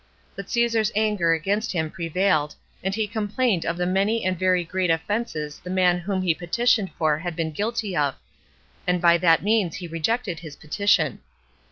But Caesar's anger against him prevailed, and he complained of the many and very great offenses the man whom he petitioned for had been guilty of; and by that means he rejected his petition.